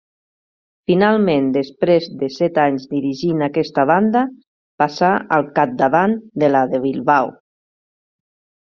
Finalment, després de set anys dirigint aquesta banda, passà al capdavant de la de Bilbao.